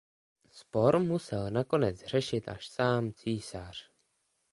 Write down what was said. Spor musel nakonec řešit až sám císař.